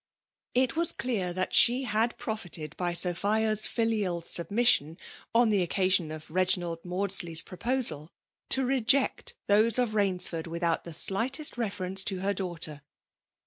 It was clear that she had profited by Sophia's filial submission, on the occasion of Reginald Maudsley*s proposal, to reject those of Bainsford without the slight est reference to her daughter.